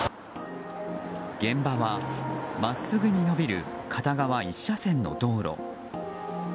現場は真っすぐに伸びる片側１車線の道路。